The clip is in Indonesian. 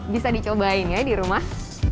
bisa dicobain ya di rumah